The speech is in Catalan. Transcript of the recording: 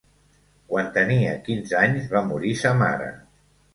Quan tenia quinze anys, va morir sa mare.